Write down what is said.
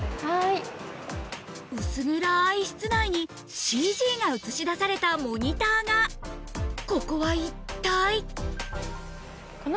薄暗い室内にＣＧが映し出されたモニターがここは一体？